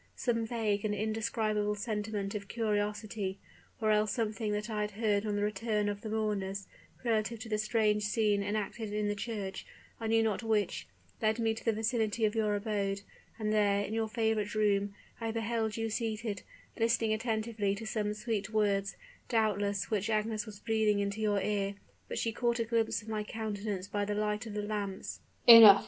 Some vague and indescribable sentiment of curiosity, or else something that I heard on the return of the mourners, relative to the strange scene enacted in the church, I know not which, led me to the vicinity of your abode; and there, in your favorite room, I beheld you seated, listening attentively to some sweet words, doubtless, which Agnes was breathing into your ear. But she caught a glimpse of my countenance by the light of the lamps " "Enough!